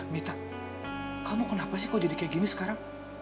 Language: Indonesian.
mita kamu kenapa sih kok jadi kayak gini sekarang